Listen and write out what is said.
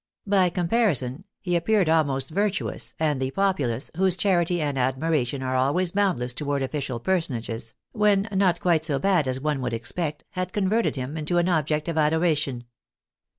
By comparison he appeared almost vir tuous, and the populace, whose charity and admiration are always boundless toward official personages, when not quite so bad as one would expect, had converted him into an object of adoration.